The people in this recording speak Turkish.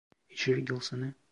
İçeri gelsene.